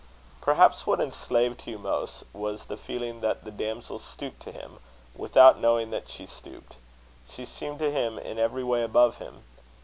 Perhaps, what enslaved Hugh most, was the feeling that the damsel stooped to him, without knowing that she stooped. She seemed to him in every way above him.